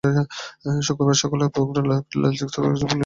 শুক্রবার সকালে পুকুরে একটি লাশ ভাসতে দেখে স্থানীয় লোকজন পুলিশকে খবর দেয়।